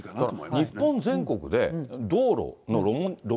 日本全国で道路の路面